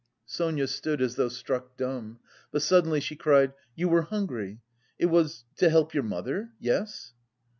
Sonia stood as though struck dumb, but suddenly she cried: "You were hungry! It was... to help your mother? Yes?"